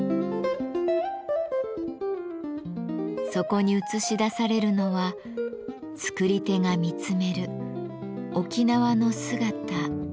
そこに映し出されるのは作り手が見つめる沖縄の姿そのものです。